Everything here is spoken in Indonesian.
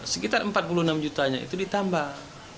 sekitar empat puluh enam jutanya itu ditambah